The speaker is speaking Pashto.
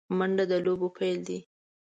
منډه د لوبو پیل دی